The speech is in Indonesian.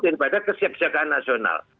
daripada kesiapsiagaan nasional